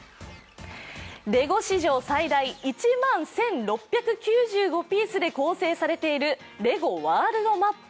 レゴ史上最大１万１６９５ピースで構成されているレゴワールドマップ。